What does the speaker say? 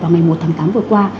vào ngày một tháng tám vừa qua